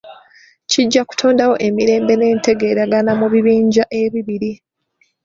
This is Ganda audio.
Kijja kutondawo emirembe n'entegeeragana mu bibinja ebibiri.